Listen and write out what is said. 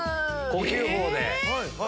呼吸法で。